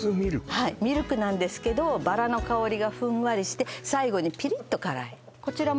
はいミルクなんですけどバラの香りがふんわりして最後にピリッと辛いこちら